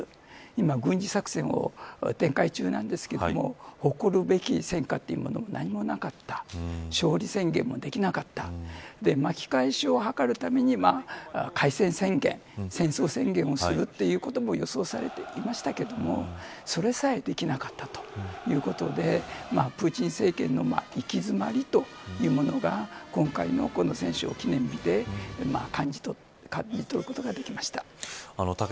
今、軍事作戦を展開中なんですけれども誇るべき戦果というものが何もなかった勝利宣言もできなかった巻き返しを図るためには開戦宣言戦争宣言をするということも予想されていましたがそれさえできなかったということでプーチン政権の行き詰まりというものが今回の戦勝記念日で感じ取ることができました。